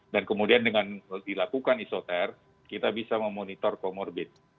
dan kemudian dengan dilakukan esoter kita bisa memonitor comorbid